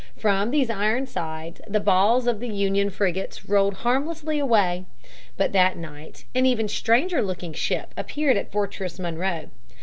From these iron sides the balls of the Union frigates rolled harmlessly away. But that night an even stranger looking ship appeared at Fortress Monroe.